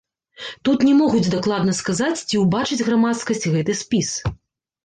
Тут не могуць дакладна сказаць, ці ўбачыць грамадскасць гэты спіс.